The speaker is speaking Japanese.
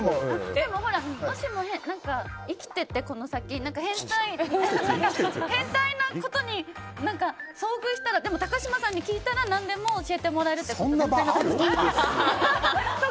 でももしも、生きてて、この先変態のことに遭遇したらでも、高嶋さんに聞いたら何でも教えてもらえるって。